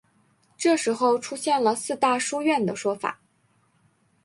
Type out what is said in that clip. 这时候出现了四大书院的说法。